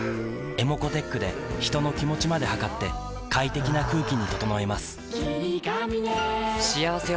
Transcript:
ｅｍｏｃｏーｔｅｃｈで人の気持ちまで測って快適な空気に整えます